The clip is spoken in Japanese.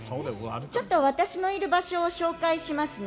ちょっと私のいる場所を紹介しますね。